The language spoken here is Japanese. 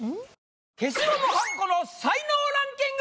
消しゴムはんこの才能ランキング！